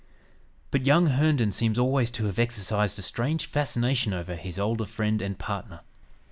But young Herndon seems always to have exercised a strange fascination over his older friend and partner.